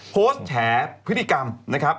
แฉพฤติกรรมนะครับ